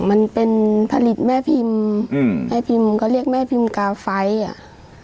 มันเป็นผลิตแม่พิมพ์อืมแม่พิมพ์ก็เรียกแม่พิมพ์กาไฟอ่ะ